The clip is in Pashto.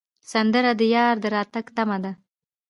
سندره د یار د راتګ تمه ده